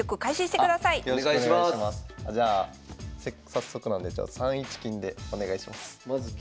早速なんでじゃあ３一金でお願いします。